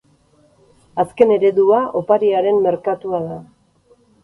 Azken eredua opariaren merkatua da.